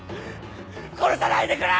殺さないでくれ！